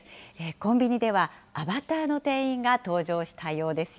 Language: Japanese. コンビニでは、アバターの店員が登場したようですよ。